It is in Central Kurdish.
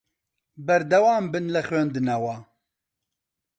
بەردەوام بن لە خوێندنەوە.